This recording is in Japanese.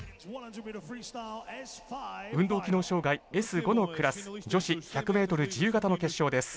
運動機能障がいＳ５のクラス女子１００ｍ自由形の決勝です。